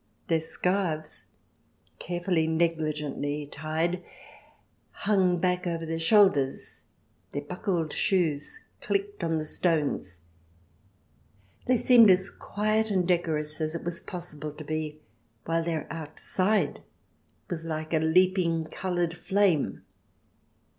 Their scarves, carefully, negligently tied, hung back over their shoulders. Their buckled 124 CH. IX] CHESTS AND COSTUMES 125 shoes clicked on the stones. They seemed as quiet and decorous as it was possible to be, while their outside was like a leaping coloured flame.